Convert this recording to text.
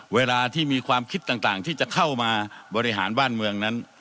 เวลาที่มีความคิดต่างที่จะเข้ามาบริหารบ้านเมืองนั้น